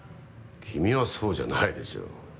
君はそうじゃないでしょう。